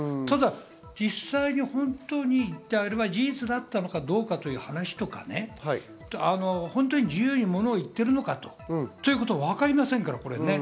実際、本当に事実だったのかどうかという話とか、本当に自由にものを言ってるのかということがわかりませんから。